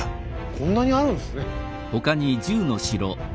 こんなにあるんですね。